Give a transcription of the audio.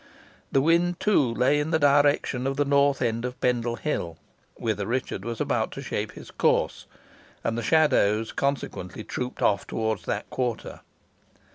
The wind, too, lay in the direction of the north end of Pendle Hill, whither Richard was about to shape his course, and the shadows consequently trooped off towards that quarter.